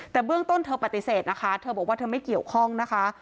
แต่เบื้องต้นเธอปฏิเสธนะคะเธอบอกว่าเธอไม่เกี่ยวข้องนะคะ